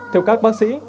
theo các bác sĩ